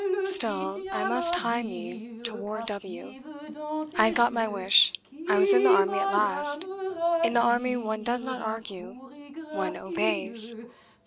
Still, I must hie me to Ward W. I had got my wish. I was in the army at last. In the army one does not argue. One obeys.